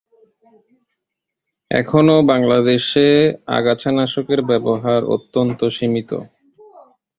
এখনও বাংলাদেশে আগাছানাশকের ব্যবহার অত্যন্ত সীমিত।